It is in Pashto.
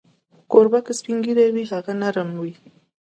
کوربه که سپین ږیری وي، هم نرم وي.